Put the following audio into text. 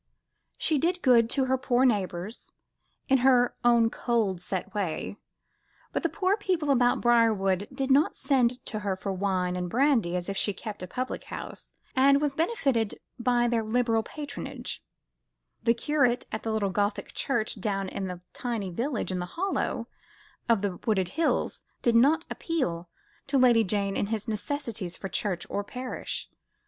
She did good to her poor neighbours, in her own cold set way, but the poor people about Briarwood did not send to her for wine and brandy as if she kept a public house, and was benefited by their liberal patronage; the curate at the little Gothic church, down in the tiny village in a hollow of the wooded hills, did not appeal to Lady Jane in his necessities for church or parish.